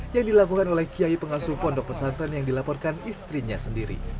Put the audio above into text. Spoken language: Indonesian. yang dilakukan oleh kiai pengasuh pondok pesantren yang dilaporkan istrinya sendiri